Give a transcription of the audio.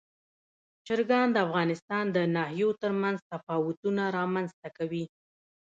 چرګان د افغانستان د ناحیو ترمنځ تفاوتونه رامنځ ته کوي.